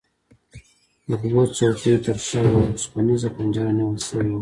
د دوو څوکیو ترشا یوه اوسپنیزه پنجره نیول شوې وه.